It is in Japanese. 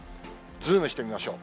ズームしてみましょう。